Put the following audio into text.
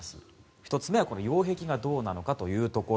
１つ目は擁壁がどうなのかというところ。